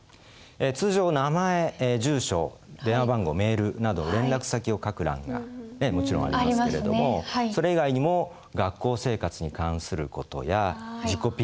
通常名前住所電話番号メールなど連絡先を書く欄がもちろんありますけれどもそれ以外にも学校生活に関する事や自己ＰＲ。